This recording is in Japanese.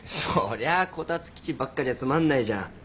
そりゃこたつ記事ばっかじゃつまんないじゃん。